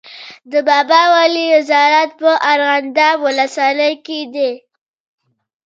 د بابا ولي زیارت په ارغنداب ولسوالۍ کي دی.